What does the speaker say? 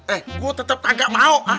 eh gue tetep kagak mau